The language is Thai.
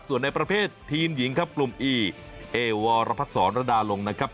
ส่วนในประเภททีมหญิงครับกลุ่มอีเอวรพัฒนศรระดาลงนะครับ